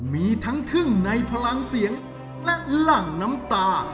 มีทั้งทึ่งในพลังเสียงและหลั่งน้ำตา